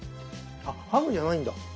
あハムじゃないんだ。